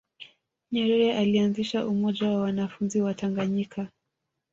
nyerere alianzisha umoja wa wanafunzi wa tanganyika